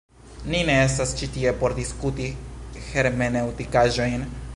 Ni ne estas ĉi tie por diskuti hermeneŭtikaĵojn!